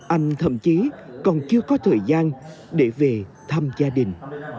anh thậm chí còn chưa có thời gian để về thăm gia đình